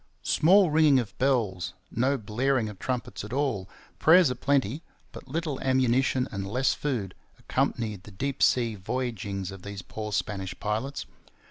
Small ringing of bells, no blaring of trumpets at all, prayers a plenty, but little ammunition and less food, accompanied the deep sea voyagings of these poor Spanish pilots.